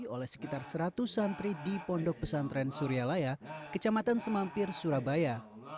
oleh sekitar seratus santri di pondok pesantren suryalaya kecamatan semampir surabaya